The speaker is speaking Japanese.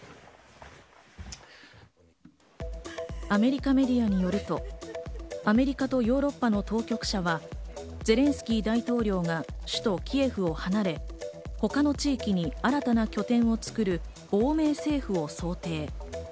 アメリカメディアによると、アメリカとヨーロッパの当局者はゼレンスキー大統領が首都キエフを離れ他の地域に新たな拠点をつくる亡命政府を想定。